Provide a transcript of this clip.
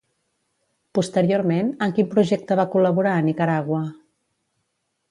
Posteriorment, en quin projecte va col·laborar a Nicaragua?